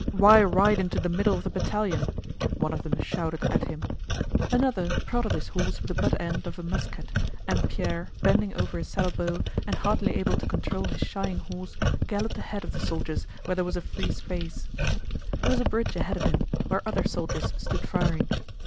"Why ride into the middle of the battalion?" one of them shouted at him. Another prodded his horse with the butt end of a musket, and Pierre, bending over his saddlebow and hardly able to control his shying horse, galloped ahead of the soldiers where there was a free space. There was a bridge ahead of him, where other soldiers stood firing.